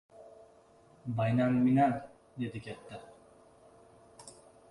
— Baynalminal! — dedi katta.